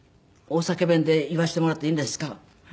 大阪弁で言わせてもらっていいですか。